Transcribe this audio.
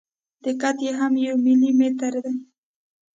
دقت یې هم یو ملي متر دی.